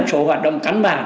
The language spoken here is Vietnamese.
một số hoạt động cánh bản